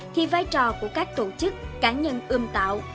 thì vai trò của các tổ chức cá nhân ươm tạo